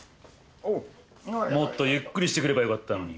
もっとゆっくりしてくればよかったのに。